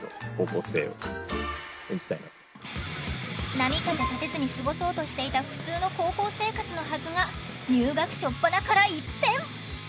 波風立てずに過ごそうとしていた普通の高校生活のはずが入学しょっぱなから一変！